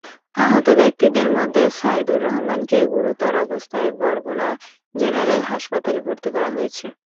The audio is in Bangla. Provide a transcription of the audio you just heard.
আহত ব্যক্তিদের মধ্যে সাইদুর রহমানকে গুরুতর অবস্থায় বরগুনা জেনারেল হাসপাতালে ভর্তি করা হয়েছে।